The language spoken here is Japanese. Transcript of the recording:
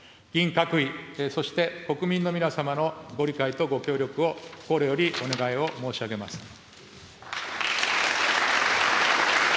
議員各位、そして国民の皆様のご理解とご協力を心よりお願いを申し上げます。